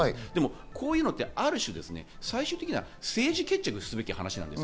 こういうのはある種、最終的には政治決着すべきです。